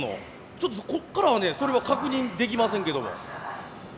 ちょっとこっからはねそれは確認できませんけども。